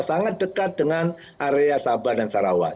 sangat dekat dengan area sabah dan sarawat